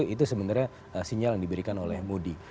itu sebenarnya sinyal yang diberikan oleh moody